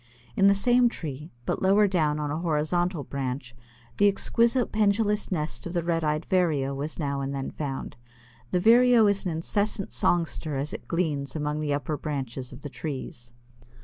In the same tree, but lower down on a horizontal branch the exquisite pendulous nest of the Red eyed Vireo was now and then found. This Vireo is an incessant songster as it gleans among the upper branches of the trees.